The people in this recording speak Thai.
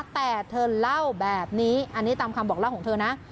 แต่เธอเล่าแบบนี้อันนี้ตามคำบอกเล่าของเธอนะ